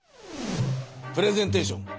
プレゼンテーション。